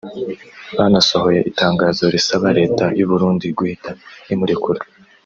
banasohoye itangazo risaba Leta y’u Burundi guhita imurekura